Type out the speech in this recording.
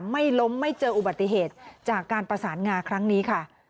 ไม่ล้มไม่เจออุบัติเหตุจากการประสานงาครั้งนี้ค่ะ